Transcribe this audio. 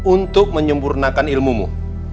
untuk menyempurnakan ilmumu